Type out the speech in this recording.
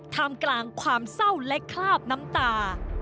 ทำกลางความเศร้าและคราบน้ำตา